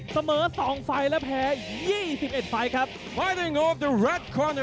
เสมอ๒ไฟล์และแพ้๒๑ไฟล์ครับ